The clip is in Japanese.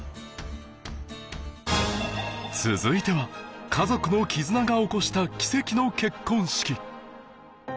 続いては家族の絆が起こした奇跡の結婚式